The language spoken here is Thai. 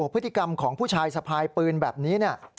พฤติกรรมของผู้ชายสะพายปืนแบบนี้